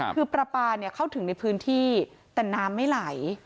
คือปลาปลาเข้าถึงในพื้นที่แต่น้ำไม่ไหล